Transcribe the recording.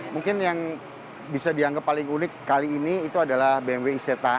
mungkin yang bisa dianggap paling unik kali ini itu adalah bmw iseta